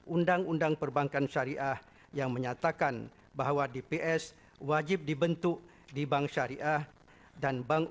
undang undang perbankan syariah yang menyatakan bahwa dps wajib dibentuk di bank syariah dan bank